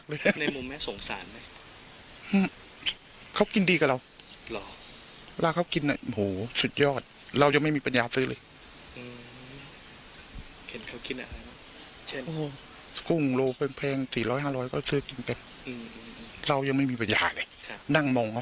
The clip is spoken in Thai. อืมเห็นเขากินอะไรนะเช่นกุ้งโลเพิ่ง๔๐๐๕๐๐ก็เสื้อกินไปเรายังไม่มีประหยาเลยนั่งมองเขา